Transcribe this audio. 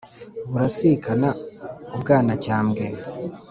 Burasikina u Bwanacyambwe.